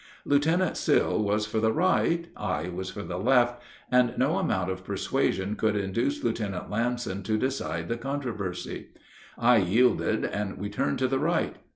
Lieutenant Sill was for the right, I was for the left, and no amount of persuasion could induce Lieutenant Lamson to decide the controversy. I yielded, and we turned to the right.